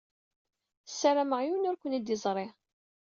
Sarameɣ yiwen ur ken-id-iẓṛi.